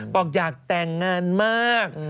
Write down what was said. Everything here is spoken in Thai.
บอกอยากแต่งงานมาก